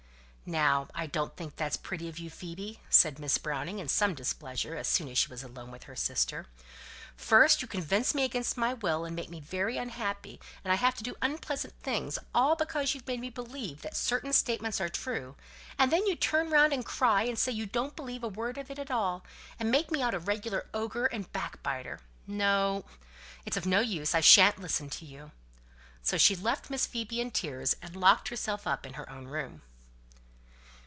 "Now, I don't think that's pretty of you, Phoebe," said Miss Browning in some displeasure, as soon as she was alone with her sister. "First, you convince me against my will, and make me very unhappy; and I have to do unpleasant things, all because you've made me believe that certain statements are true; and then you turn round and cry, and say you don't believe a word of it all, making me out a regular ogre and backbiter. No! it's of no use. I shan't listen to you." So she left Miss Phoebe in tears, and locked herself up in her own room.